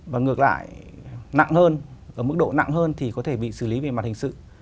và ngược lại nặng hơn ở mức độ nặng hơn thì có thể bị xử lý về mặt hình sự